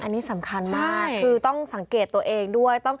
อันนี้สำคัญมากคือต้องสังเกตตัวเองด้วย